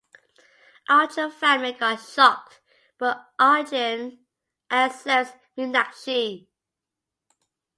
Arjun family got shocked but Arjun accepts Meenakshi.